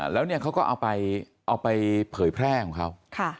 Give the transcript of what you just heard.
แล้วเนี่ยเขาก็เอาไปเผยแพร่ของเขา